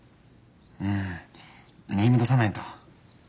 うんネーム出さないと。